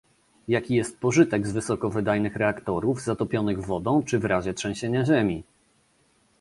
Jaki jest pożytek z wysoko wydajnych reaktorów zatopionych wodą czy w razie trzęsienia ziemi?